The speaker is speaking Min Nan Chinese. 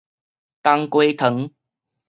冬瓜糖